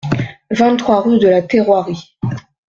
vingt-trois rue de la Terroirie